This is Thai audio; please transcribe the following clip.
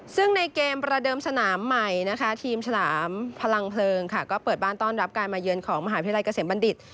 ซึ่งในเกมประเดิมสนามใหม่นะคะทีมฉลามพลังเพลิงค่ะก็เปิดบ้านต้อนรับการมาเยือนของมหาวิทยาลัยเกษมบัณฑิต